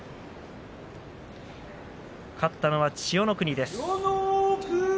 勝ったのは千代の国です。